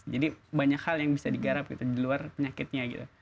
jadi banyak hal yang bisa digarap di luar penyakitnya